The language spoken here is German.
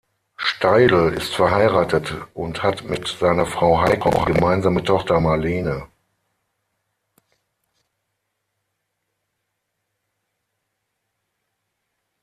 Steidl ist verheiratet und hat mit seiner Frau Heike die gemeinsame Tochter Marlene.